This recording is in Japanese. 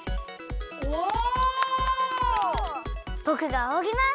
ぼくがあおぎます！